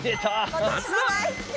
まずは。